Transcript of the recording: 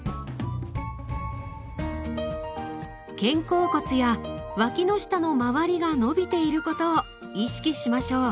肩甲骨や脇の下の周りが伸びていることを意識しましょう。